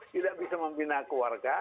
tidak bisa membina keluarga